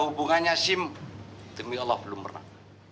hubungannya sim demi allah belum pernah